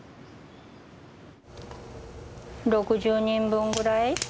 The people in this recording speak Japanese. ６０人分ぐらい？